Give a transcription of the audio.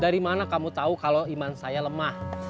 dari mana kamu tahu kalau iman saya lemah